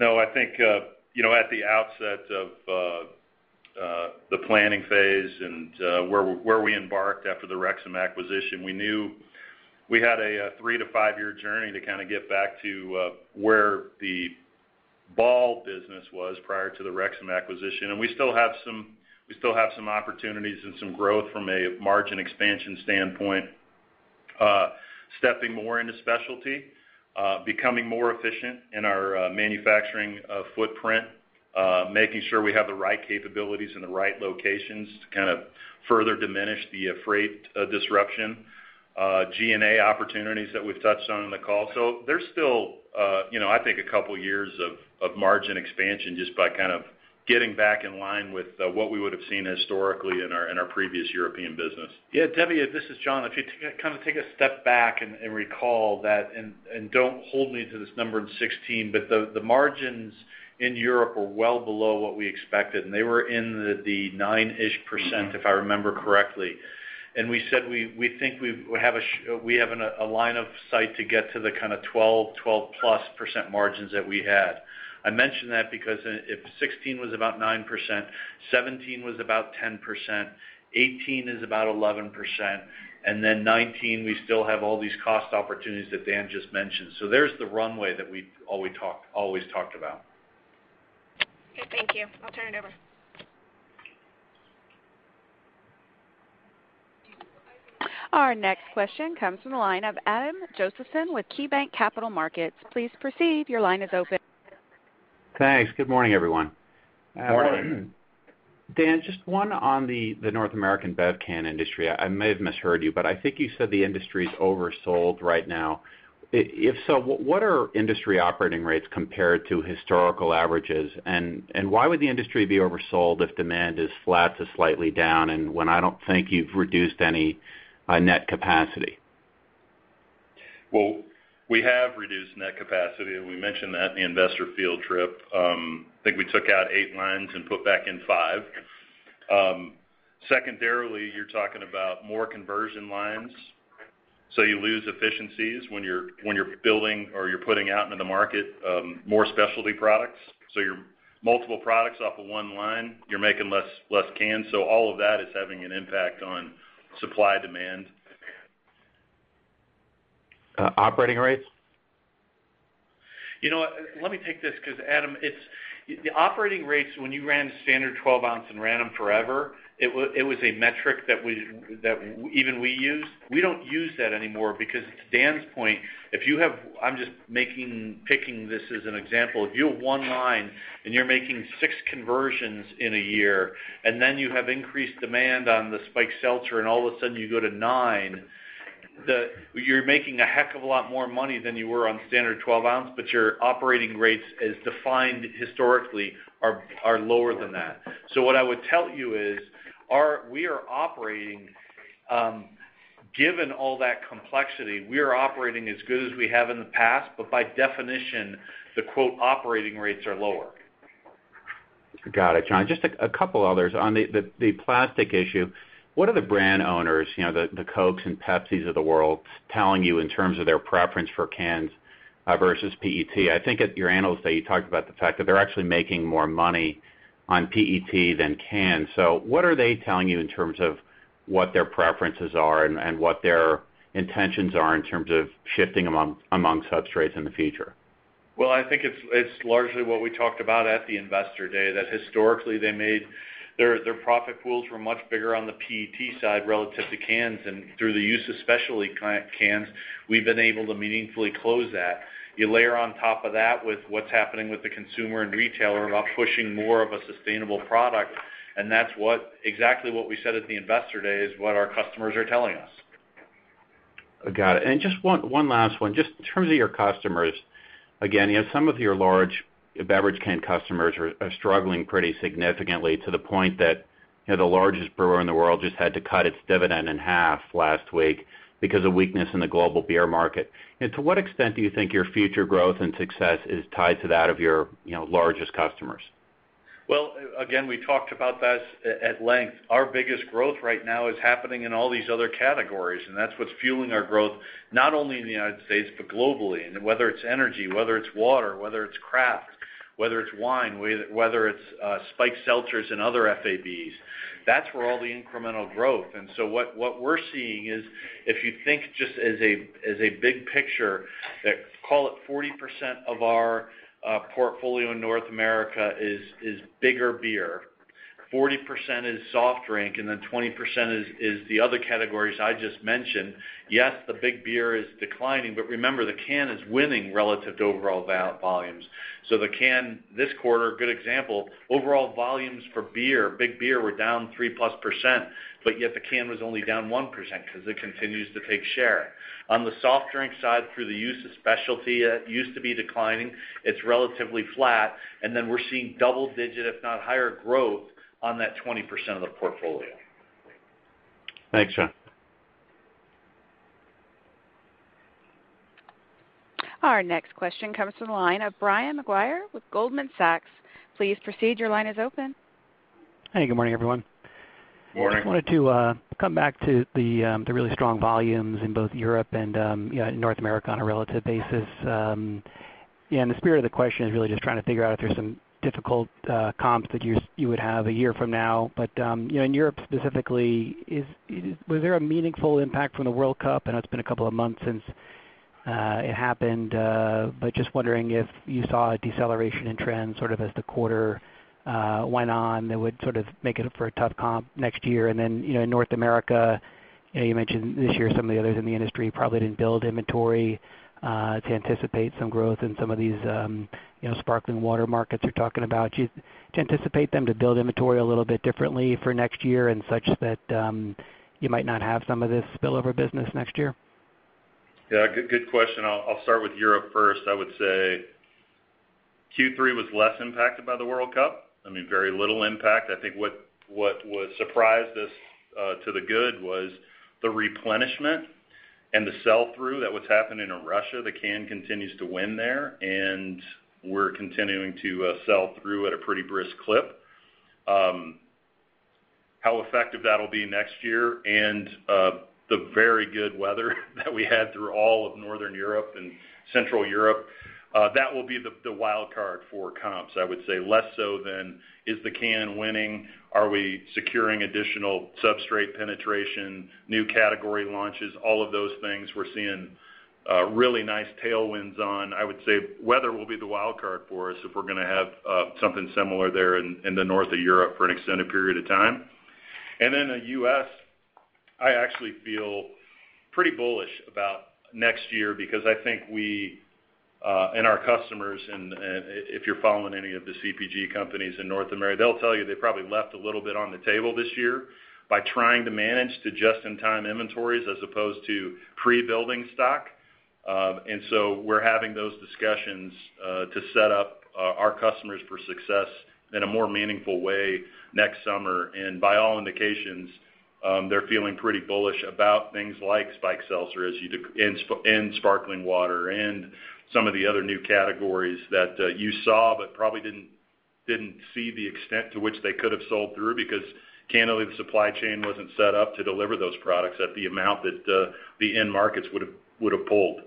I think, at the outset of the planning phase and where we embarked after the Rexam acquisition, we knew we had a 3 to 5-year journey to kind of get back to where the Ball business was prior to the Rexam acquisition. We still have some opportunities and some growth from a margin expansion standpoint, stepping more into specialty, becoming more efficient in our manufacturing footprint, making sure we have the right capabilities in the right locations to kind of further diminish the freight disruption, G&A opportunities that we've touched on in the call. There's still I think a couple years of margin expansion just by kind of getting back in line with what we would've seen historically in our previous European business. Debbie, this is John. If you kind of take a step back and recall that, Don't hold me to this number in 2016, but the margins in Europe were well below what we expected, and they were in the 9-ish%, if I remember correctly. We said we think we have a line of sight to get to the kind of 12-plus% margins that we had. I mention that because if 2016 was about 9%, 2017 was about 10%, 2018 is about 11%. Then 2019 we still have all these cost opportunities that Dan just mentioned. There's the runway that we've always talked about. Okay, thank you. I'll turn it over. Our next question comes from the line of Adam Josephson with KeyBanc Capital Markets. Please proceed, your line is open. Thanks. Good morning, everyone. Morning. Morning. Dan, just one on the North American bev can industry. I may have misheard you, but I think you said the industry's oversold right now. If so, what are industry operating rates compared to historical averages? Why would the industry be oversold if demand is flat to slightly down and when I don't think you've reduced any net capacity? Well, we have reduced net capacity, and we mentioned that in the investor field trip. I think we took out eight lines and put back in five. Secondarily, you're talking about more conversion lines, you lose efficiencies when you're building or you're putting out into the market more specialty products. Your multiple products off of one line, you're making less cans. All of that is having an impact on supply-demand. Operating rates? Let me take this because, Adam, the operating rates, when you ran the standard 12 ounce and ran them forever, it was a metric that even we used. We don't use that anymore because to Dan's point, I'm just picking this as an example. If you have one line and you're making six conversions in a year, and then you have increased demand on the spiked seltzer and all of a sudden you go to nine, you're making a heck of a lot more money than you were on standard 12 ounce, your operating rates as defined historically are lower than that. What I would tell you is, given all that complexity, we are operating as good as we have in the past. By definition, the quote "operating rates" are lower. Got it, John. Just a couple others. On the plastic issue, what are the brand owners, the Cokes and Pepsis of the world, telling you in terms of their preference for cans versus PET? I think at your Analyst Day, you talked about the fact that they're actually making more money on PET than cans. What are they telling you in terms of what their preferences are and what their intentions are in terms of shifting among substrates in the future? Well, I think it's largely what we talked about at the Investor Day, that historically their profit pools were much bigger on the PET side relative to cans, and through the use of specialty cans, we've been able to meaningfully close that. You layer on top of that with what's happening with the consumer and retailer about pushing more of a sustainable product, that's exactly what we said at the Investor Day is what our customers are telling us. Got it. Just one last one, just in terms of your customers. Again, some of your large beverage can customers are struggling pretty significantly to the point that the largest brewer in the world just had to cut its dividend in half last week because of weakness in the global beer market. To what extent do you think your future growth and success is tied to that of your largest customers? Well, again, we talked about this at length. Our biggest growth right now is happening in all these other categories, and that's what's fueling our growth, not only in the U.S., but globally. Whether it's energy, whether it's water, whether it's craft, whether it's wine, whether it's spiked seltzers and other FABs, that's where all the incremental growth. What we're seeing is, if you think just as a big picture, call it 40% of our portfolio in North America is bigger beer, 40% is soft drink, and then 20% is the other categories I just mentioned. Yes, the big beer is declining, but remember, the can is winning relative to overall volumes. The can this quarter, good example, overall volumes for beer, big beer, were down 3%+, but yet the can was only down 1% because it continues to take share. On the soft drink side, through the use of specialty, it used to be declining, it's relatively flat, and then we're seeing double-digit, if not higher growth on that 20% of the portfolio. Thanks, John. Our next question comes from the line of Brian Maguire with Goldman Sachs. Please proceed. Your line is open. Hey, good morning, everyone. Morning. Just wanted to come back to the really strong volumes in both Europe and North America on a relative basis. The spirit of the question is really just trying to figure out if there's some difficult comps that you would have a year from now. In Europe specifically, was there a meaningful impact from the World Cup? I know it's been a couple of months since it happened, but just wondering if you saw a deceleration in trends sort of as the quarter went on that would sort of make it for a tough comp next year. In North America, you mentioned this year some of the others in the industry probably didn't build inventory to anticipate some growth in some of these sparkling water markets you're talking about. Do you anticipate them to build inventory a little bit differently for next year and such that you might not have some of this spillover business next year? Yeah, good question. I'll start with Europe first. I would say Q3 was less impacted by the World Cup. I mean, very little impact. I think what surprised us to the good was the replenishment and the sell-through that was happening in Russia. The can continues to win there, and we're continuing to sell through at a pretty brisk clip. How effective that'll be next year and the very good weather that we had through all of Northern Europe and Central Europe, that will be the wild card for comps, I would say. Less so than is the can winning? Are we securing additional substrate penetration, new category launches? All of those things we're seeing really nice tailwinds on. I would say weather will be the wild card for us if we're going to have something similar there in the north of Europe for an extended period of time. In the U.S., I actually feel pretty bullish about next year because I think we and our customers, if you're following any of the CPG companies in North America, they'll tell you they probably left a little bit on the table this year by trying to manage to just-in-time inventories as opposed to pre-building stock. We're having those discussions to set up our customers for success in a more meaningful way next summer. By all indications, they're feeling pretty bullish about things like spiked seltzer and sparkling water and some of the other new categories that you saw, but probably didn't see the extent to which they could have sold through because, candidly, the supply chain wasn't set up to deliver those products at the amount that the end markets would have pulled.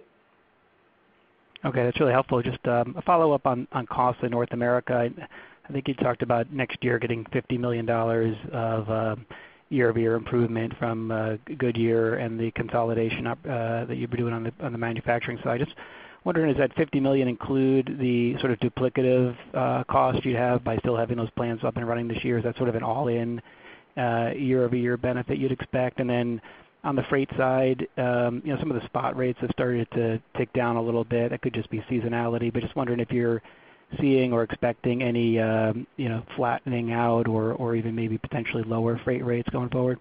Okay, that's really helpful. Just a follow-up on costs in North America. I think you talked about next year getting $50 million of year-over-year improvement from Goodyear and the consolidation that you'd be doing on the manufacturing side. Just wondering, does that 50 million include the sort of duplicative cost you'd have by still having those plants up and running this year? Is that sort of an all-in year-over-year benefit you'd expect? Then on the freight side, some of the spot rates have started to tick down a little bit. That could just be seasonality, but just wondering if you're seeing or expecting any flattening out or even maybe potentially lower freight rates going forward.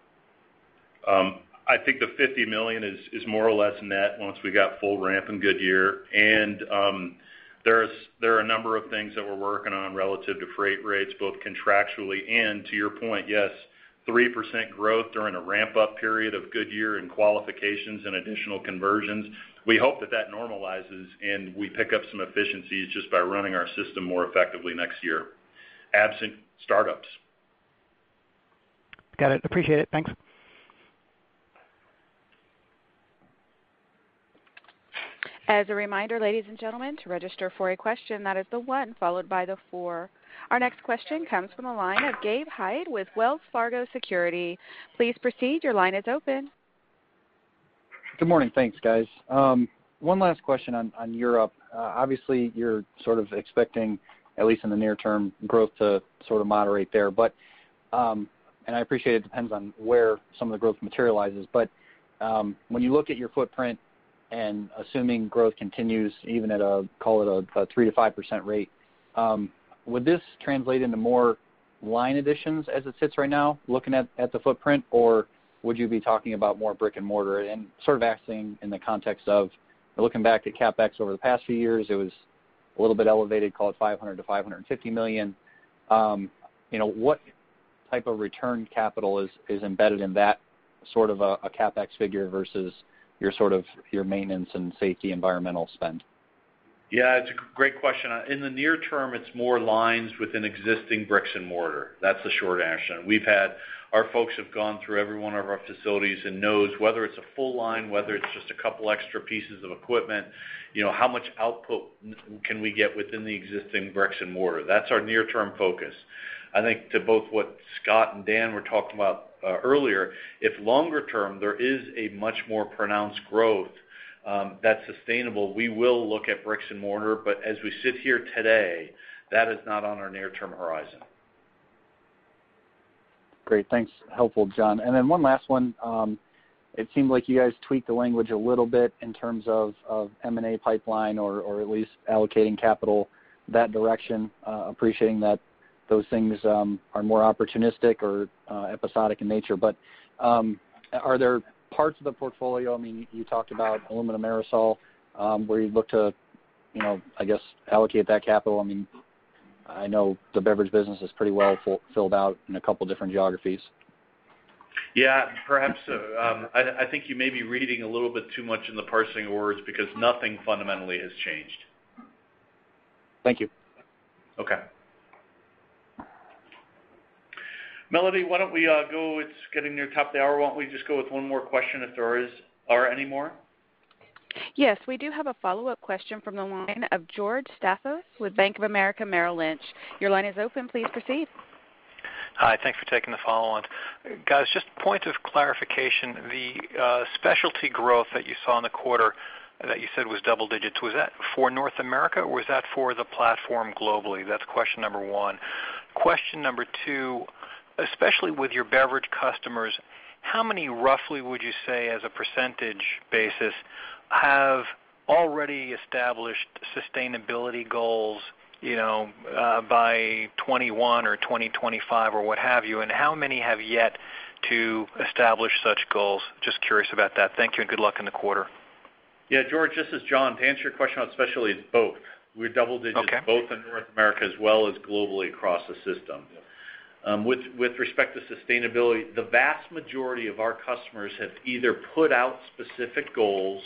I think the $50 million is more or less net once we got full ramp in Goodyear. There are a number of things that we're working on relative to freight rates, both contractually and to your point, yes, 3% growth during a ramp-up period of Goodyear and qualifications and additional conversions. We hope that normalizes and we pick up some efficiencies just by running our system more effectively next year, absent startups. Got it. Appreciate it. Thanks. As a reminder, ladies and gentlemen, to register for a question, that is the one followed by the four. Our next question comes from the line of Gabe Hajde with Wells Fargo Securities. Please proceed, your line is open. Good morning. Thanks, guys. One last question on Europe. Obviously, you're sort of expecting, at least in the near term, growth to sort of moderate there. I appreciate it depends on where some of the growth materializes, but when you look at your footprint, and assuming growth continues even at a, call it a 3%-5% rate, would this translate into more line additions as it sits right now, looking at the footprint? Would you be talking about more brick and mortar? Sort of asking in the context of looking back at CapEx over the past few years, it was a little bit elevated, call it $500 million-$550 million. What type of return capital is embedded in that sort of a CapEx figure versus your maintenance and safety environmental spend? Yeah, it's a great question. In the near term, it's more lines within existing bricks and mortar. That's the short answer. Our folks have gone through every one of our facilities and knows whether it's a full line, whether it's just a couple extra pieces of equipment, how much output can we get within the existing bricks and mortar? That's our near-term focus. I think to both what Scott and Dan were talking about earlier, if longer term, there is a much more pronounced growth that's sustainable, we will look at bricks and mortar, but as we sit here today, that is not on our near-term horizon. Great. Thanks. Helpful, John. One last one. It seemed like you guys tweaked the language a little bit in terms of M&A pipeline or at least allocating capital that direction, appreciating that those things are more opportunistic or episodic in nature. Are there parts of the portfolio, I mean, you talked about aluminum aerosol, where you look to, I guess, allocate that capital. I know the beverage business is pretty well filled out in a couple different geographies. Yeah, perhaps. I think you may be reading a little bit too much in the parsing words because nothing fundamentally has changed. Thank you. Okay. Melody, why don't we go, it's getting near top of the hour. Why don't we just go with one more question if there are any more? Yes, we do have a follow-up question from the line of George Staphos with Bank of America Merrill Lynch. Your line is open. Please proceed. Hi, thanks for taking the follow-on. Guys, just point of clarification, the specialty growth that you saw in the quarter that you said was double digits, was that for North America, or was that for the platform globally? That's question number one. Question number two, especially with your beverage customers, how many, roughly, would you say as a percentage basis, have already established sustainability goals by 2021 or 2025 or what have you? How many have yet to establish such goals? Just curious about that. Thank you, and good luck in the quarter. Yeah, George, this is John. To answer your question on specialties, both. We're double digits- Okay both in North America as well as globally across the system. With respect to sustainability, the vast majority of our customers have either put out specific goals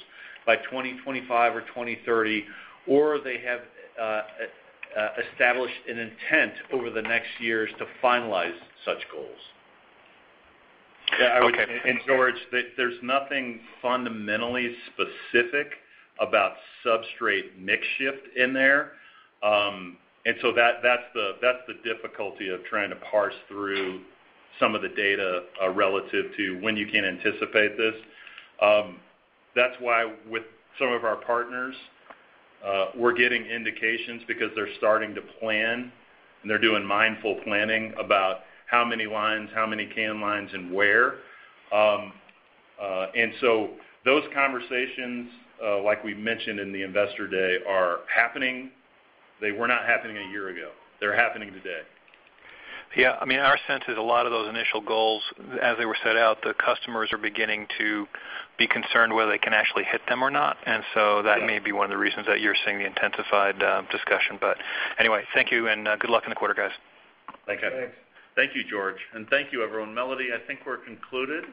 by 2025 or 2030, or they have established an intent over the next years to finalize such goals. Okay. George, there's nothing fundamentally specific about substrate mix shift in there. That's the difficulty of trying to parse through some of the data relative to when you can anticipate this. That's why with some of our partners, we're getting indications because they're starting to plan, and they're doing mindful planning about how many lines, how many can lines, and where. Those conversations, like we mentioned in the investor day, are happening. They were not happening a year ago. They're happening today. Yeah, our sense is a lot of those initial goals, as they were set out, the customers are beginning to be concerned whether they can actually hit them or not. That may be one of the reasons that you're seeing the intensified discussion. Anyway, thank you, and good luck in the quarter, guys. Thank you. Thanks. Thank you, George. Thank you, everyone. Melody, I think we're concluded.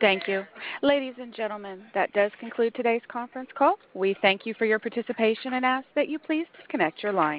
Thank you. Ladies and gentlemen, that does conclude today's conference call. We thank you for your participation and ask that you please disconnect your lines.